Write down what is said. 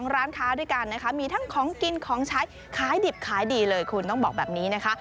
ร้านค้าด้วยกันนะคะมีทั้งของกินของใช้ขายดิบขายดีเลยคุณต้องบอกแบบนี้นะคะ